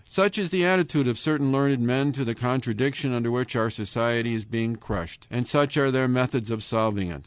Such is the attitude of certain learned men to the contradiction under which our society is being crushed, and such are their methods of solving it.